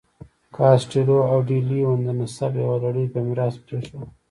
کاسټیلو او ډي لیون د نسب یوه لړۍ په میراث پرېښوده.